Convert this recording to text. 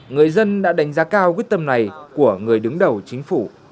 người dân đã đánh giá cao quyết tâm này của người đứng đầu chính phủ